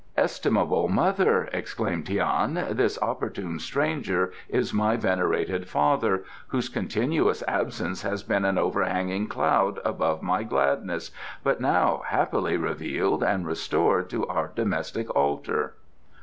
"Estimable mother," exclaimed Tian, "this opportune stranger is my venerated father, whose continuous absence has been an overhanging cloud above my gladness, but now happily revealed and restored to our domestic altar."